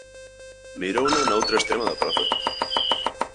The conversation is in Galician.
Mirouna na outra estrema da praza.